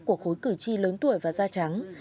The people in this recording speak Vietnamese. của khối cử tri lớn tuổi và da trắng